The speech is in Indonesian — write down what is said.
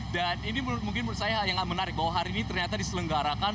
dan ini menurut saya yang menarik bahwa hari ini ternyata diselenggarakan